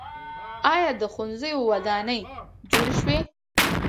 آیا د ښوونځیو ودانۍ جوړې شوي؟